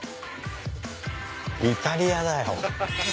イタリアだよ。